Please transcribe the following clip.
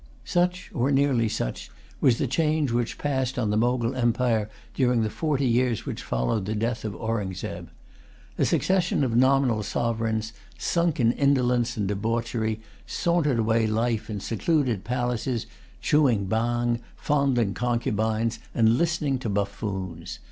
Such or nearly such was the change which passed on the Mogul empire during the forty years which followed the death of Aurungzebe. A succession of nominal sovereigns, sunk in indolence and debauchery, sauntered away life in secluded palaces, chewing bang, fondling concubines, and listening to buffoons.